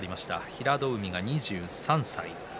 平戸海２３歳。